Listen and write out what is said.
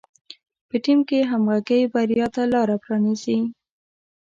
په ټیم کار کې همغږي بریا ته لاره پرانیزي.